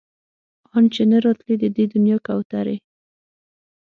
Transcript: ان چې نه راتلی د دې دنيا کوترې